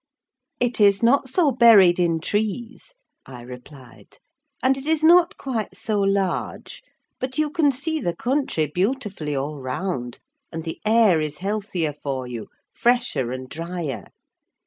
"It is not so buried in trees," I replied, "and it is not quite so large, but you can see the country beautifully all round; and the air is healthier for you—fresher and drier.